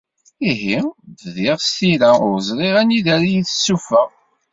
Ihi, bdiɣ s tira, ur ẓriɣ anida ara yi-tessufeɣ.